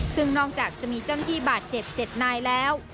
ซึ่งนอกจากจะมีเจ้าหน้าที่บาดเจ็บ๗นายแล้ว